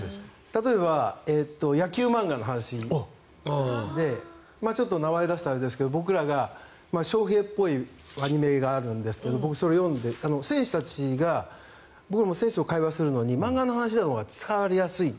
例えば野球漫画の話でちょっと名前を出したらあれですけど翔平っぽいアニメがあるんですが、僕それを読んで選手たちが僕も選手と会話するのに漫画の話のほうが伝わりやすい。